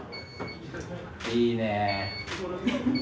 いいね。